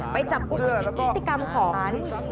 ไปจับกุฏิกรรมของ